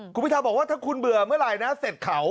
คุณพิทาบอกว่าถ้าคุณเบื่อเมื่อไหร่นะเสร็จเขา